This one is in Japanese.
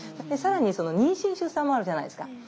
更に妊娠・出産もあるじゃないですか。